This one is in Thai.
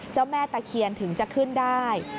เจ้าแม่ตะเคียนถึงจะขึ้นได้